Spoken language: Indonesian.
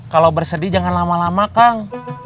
kalau bersedih jangan lama lama kang